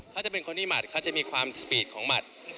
เขาจะเป็นคนที่หมดเขาจะมีความสปีด